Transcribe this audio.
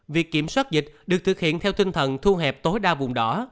việc kiểm soát dịch được thực hiện theo tinh thần thu hẹp tối đa vùng đỏ